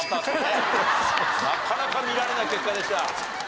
なかなか見られない結果でした。